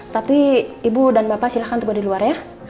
tapi ibu dan bapak silahkan tugas diluar ya